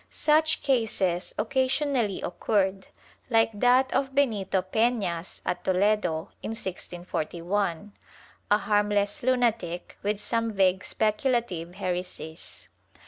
Such cases occasionally occurred, like that of Benito Pefias at Toledo in 1641, a harmless lunatic with some vague speculative heresies.